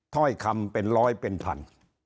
ถ้อยคำเป็นร้อยเป็นพัน